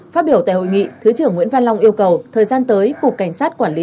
phát biểu tại hội nghị thứ trưởng nguyễn văn long yêu cầu thời gian tới cục cảnh sát quản lý